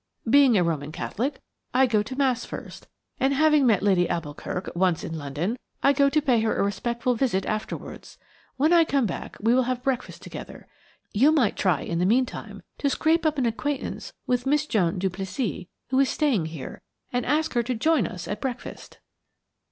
Being a Roman Catholic, I go to Mass first, and, having met Lady d'Alboukirk once in London, I go to pay her a respectful visit afterwards. When I come back we will have breakfast together. You might try in the meantime to scrape up an acquaintance with Miss Joan Duplessis, who is still staying here, and ask her to join us at breakfast."